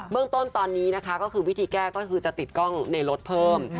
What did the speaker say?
เรื่องต้นตอนนี้นะคะก็คือวิธีแก้ก็คือจะติดกล้องในรถเพิ่ม